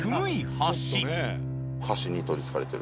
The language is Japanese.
橋に取りつかれてる？